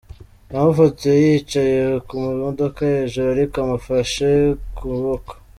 Yamufotoye yicaye ku modoka hejuru ariko amufashe ku kuboko.